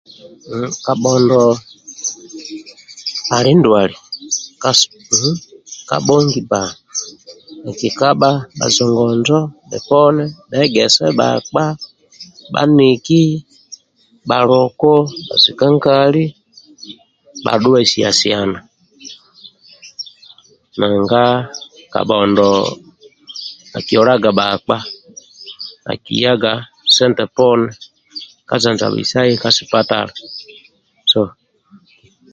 Kabhondo ali ndwali kabongi ba nkikaba bazongo begese bakpa baniki baluku basikankali badhuwe siya siyana nanga kabhondo akiyolaga bakpa